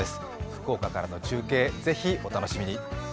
福岡からの中継、ぜひお楽しみに。